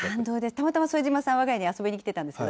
たまたま副島さん、わが家に遊びに来てたんですよ。